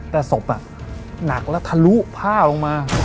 แต่ศพน่ะหนักและทะลุผ้าออกมา